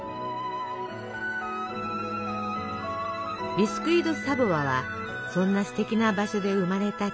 ビスキュイ・ド・サヴォワはそんなすてきな場所で生まれた地方菓子。